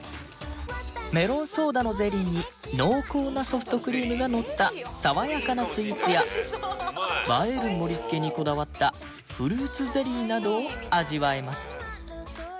メロンソーダのゼリーに濃厚なソフトクリームがのった爽やかなスイーツや映える盛りつけにこだわったフルーツゼリーなどを味わえます